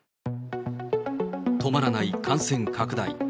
止まらない感染拡大。